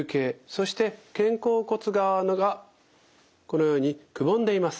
そして肩甲骨側がこのようにくぼんでいます。